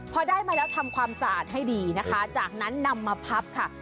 พอได้มาแล้วทำความสะอาดให้ดีนะคะจากนั้นนำมาพับค่ะ